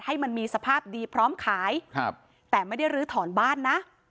ให้มันมีสภาพดีพร้อมขายครับแต่ไม่ได้ลื้อถอนบ้านนะ